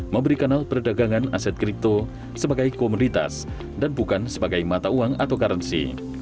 memberikan al perdagangan aset kripto sebagai komunitas dan bukan sebagai mata uang atau karansi